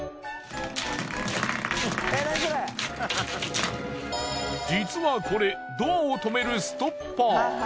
最近実はこれドアを止めるストッパー。